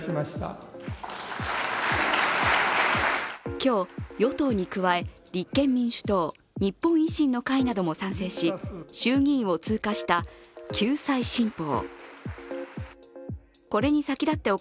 今日、与党に加え、立憲民主党、日本維新の会なども賛成し、衆議院を通過した救済新法。